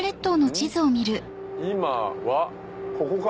今はここか。